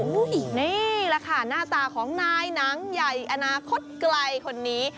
นี่แหละค่ะหน้าตาของนายหนังใหญ่อนาคตไกลคนนี้